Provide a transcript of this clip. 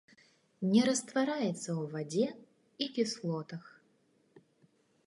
Не раствараецца ў вадзе і кіслотах.